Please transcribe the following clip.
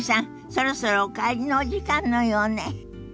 そろそろお帰りのお時間のようね。